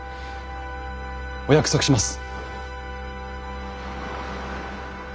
お約束します。